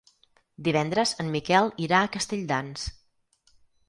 Divendres en Miquel irà a Castelldans.